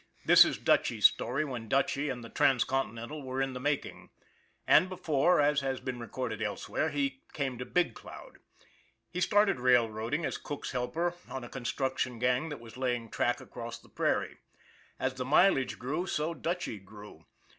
This is Dutchy's story when Dutchy and the Transcontinental were in the making; and before, as has been recorded elsewhere, he came to Big Cloud. He started railroading as cook's helper on a con struction gang that was laying track across the prairie. As the mileage grew, so Dutchy grew.